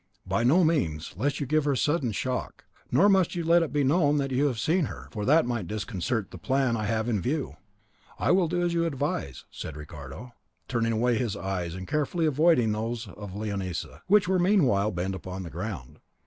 "By no means, lest you give her a sudden shock; nor must you let it be known that you have seen her, for that might disconcert the plan I have in view." "I will do as you advise," said Ricardo, turning away his eyes, and carefully avoiding those of Leonisa, which were meanwhile bent upon the ground.